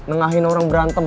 nengahin orang berantem